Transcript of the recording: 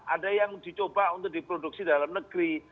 ada yang dicoba untuk diproduksi dalam negeri